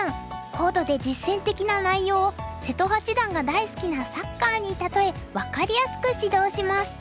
高度で実戦的な内容を瀬戸八段が大好きなサッカーに例え分かりやすく指導します。